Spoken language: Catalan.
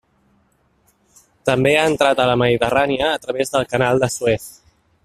També ha entrat a la Mediterrània a través del Canal de Suez.